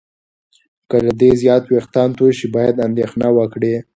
که له دې زیات وېښتان تویې شي، باید اندېښنه وکړې.